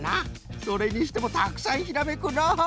それにしてもたくさんひらめくの！